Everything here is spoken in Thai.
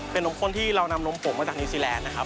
เป็นนมโค้นที่เรานำนมผงมาจากนิวซีแลนด์